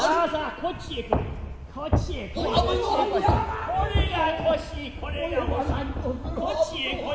こちへ来い。